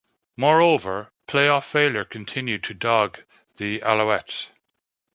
Moreover, playoff failure continued to dog the Alouettes.